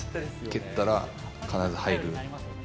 蹴ったら必ず入る。